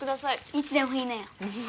いつでも言いなよ